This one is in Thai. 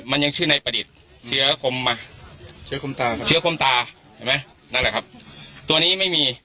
มันยังชื่อในประดิษฐ์เสือขมชือละครับตัวนี้ไม่มี